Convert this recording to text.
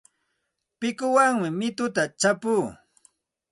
Pikuwanmi mituta chapuu.